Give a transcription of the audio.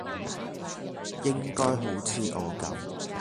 應該好似我咁